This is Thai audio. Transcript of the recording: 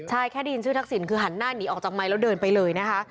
ใช่แค่ได้ยินชื่อทักษิณคือหันหน้าหนีออกจากไมค์แล้วเดินไปเลยนะคะ